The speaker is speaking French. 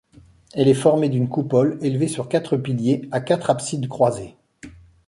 Elle est formée d'une coupole élevée sur quatre piliers à quatre absides croisées.